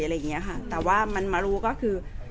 แต่ว่าสามีด้วยคือเราอยู่บ้านเดิมแต่ว่าสามีด้วยคือเราอยู่บ้านเดิม